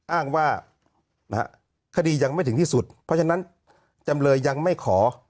อ้างว่าคดียังไม่ถึงที่สุดเพราะฉะนั้นจำเลยยังไม่ขอ